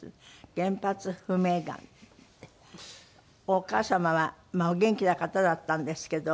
お母様はお元気な方だったんですけど。